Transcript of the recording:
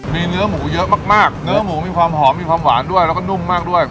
มีเนื้อหมูเยอะมากเนื้อหมูมีความหอมมีความหวานด้วยแล้วก็นุ่มมากด้วย